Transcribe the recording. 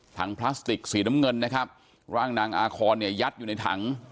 พลาสติกสีน้ำเงินนะครับร่างนางอาคอนเนี่ยยัดอยู่ในถัง